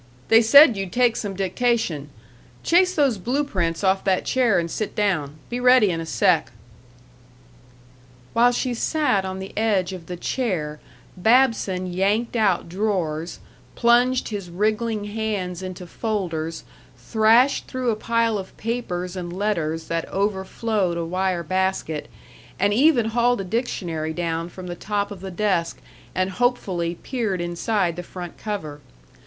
They said you'd take some dictation. Chase those blue prints off that chair and sit down. Be ready in a sec." While she sat on the edge of the chair Babson yanked out drawers, plunged his wriggling hands into folders, thrashed through a pile of papers and letters that over flowed a wire basket, and even hauled a dictionary down from the top of the desk and hopefully peered inside the front cover.